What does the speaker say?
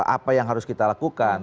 apa yang harus kita lakukan